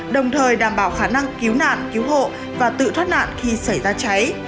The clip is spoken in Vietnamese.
đồng thời đảm bảo khả năng cứu nạn cứu hộ và tự thoát nạn khi xảy ra cháy